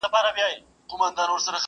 o مرگ حق دئ گور او کفن په شک کي دئ٫